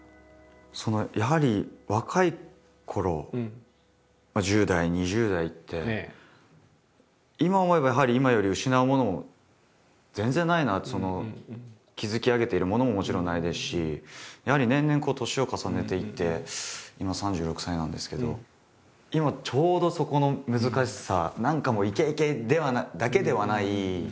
やはり若いころ１０代２０代って今思えばやはり今より失うものも全然ないなって築き上げているものももちろんないですしやはり年々年を重ねていって今３６歳なんですけど今ちょうどそこの難しさ。